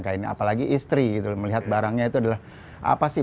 apalagi istri gitu melihat barangnya itu adalah apa sih